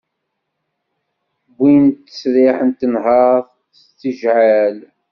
Wwin-d ttesriḥ n tenhert s tijɛεal.